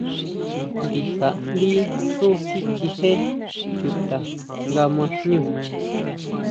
Ndija ndí xú sichijé chuta nga ma jñú.